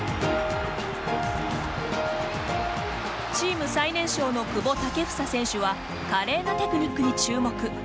チーム最年少の久保建英選手は華麗なテクニックに注目。